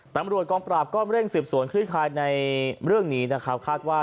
ตำรวจกองปราบเล่นเสียบส่วนเครื่อยคล้าย